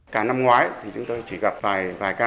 cả năm ngoái thì chúng tôi chỉ gặp vài ca